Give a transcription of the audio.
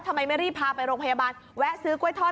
ทำไมไม่รีบพาไปโรงพยาบาลแวะซื้อกล้วยทอด